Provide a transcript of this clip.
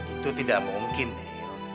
itu tidak mungkin nel